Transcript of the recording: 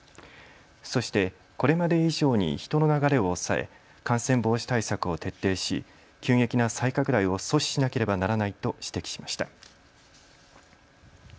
そして、これまで以上に人の流れを抑え感染防止対策を徹底し急激な再拡大を阻止しなければならないと指摘しました。